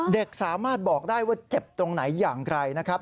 เด็กสามารถบอกได้ว่าเจ็บตรงไหนอย่างไรนะครับ